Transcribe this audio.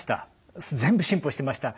全部進歩してました。